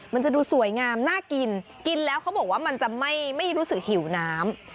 มันจะดูสวยงามน่ากินกินแล้วเขาบอกว่ามันจะไม่รู้สึกหิวน้ำ